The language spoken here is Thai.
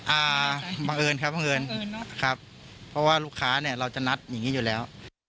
บังเอิญครับบังเอิญครับเพราะว่าลูกค้าเนี่ยเราจะนัดอย่างงี้อยู่แล้ว